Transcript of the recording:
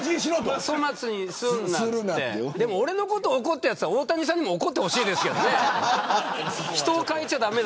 でも俺のことを怒ったやつは大谷さんにも怒ってほしい。